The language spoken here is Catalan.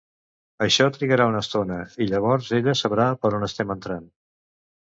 Això trigarà una estona i llavors ella sabrà per on estem entrant.